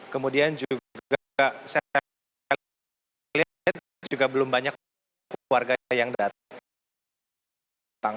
kemudian juga saya lihat juga belum banyak warga yang datang